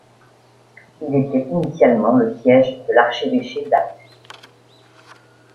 Il était initialement le siège de l’archevêché d'Apt.